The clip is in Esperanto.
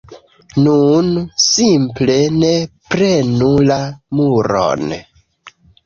Nun, simple ne prenu la muron